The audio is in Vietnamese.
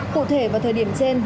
cụ thể vào thời điểm trên